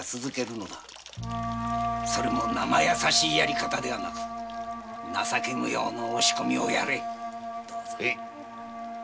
それもナマやさしいやり方ではなく「情け無用の押し込み」をやれ。